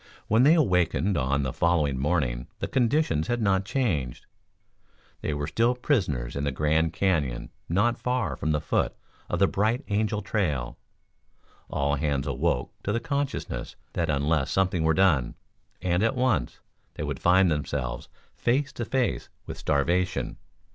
When they awakened on the following morning the conditions had not changed. They were still prisoners in the Grand Canyon not far from the foot of Bright Angel Trail. All hands awoke to the consciousness that unless something were done, and at once, they would find themselves face to face with starvation.